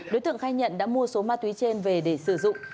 đối tượng khai nhận đã mua số ma túy trên về để sử dụng